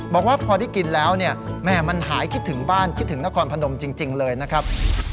บอกว่าพอได้กินแล้วเนี่ยแม่มันหายคิดถึงบ้านคิดถึงนครพนมจริงเลยนะครับ